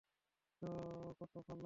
তো কতো মাল লাগবে?